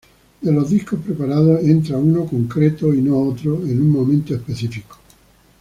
De los discos preparados, entra uno específico, y no otro, en un momento específico.